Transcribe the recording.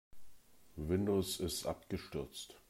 Windows ist abgestürzt.